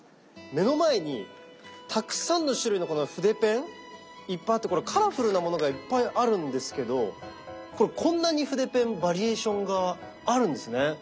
目の前にたくさんの種類のこの筆ペンいっぱいあってカラフルなものがいっぱいあるんですけどこんなに筆ペンバリエーションがあるんですね。